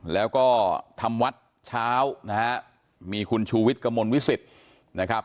แล้วก็ทำวัดเช้านะครับมีคุณชูวิตกมลวิสิตนะครับ